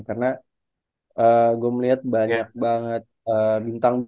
karena gue melihat banyak banget bintang bintangnya